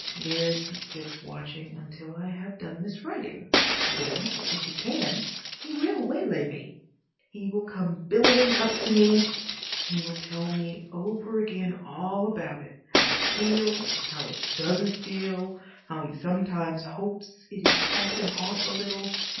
There he sits watching until I have done this writing. Then, if he can, he will waylay me. He will come billowing up to me.... He will tell me over again all about it, how it feels, how it doesn't feel, how he sometimes hopes it is passing off a little.